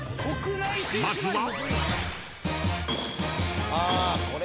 ［まずは］